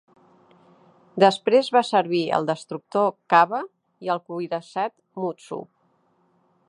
Després va servir al destructor "Kaba" i al cuirassat "Mutsu".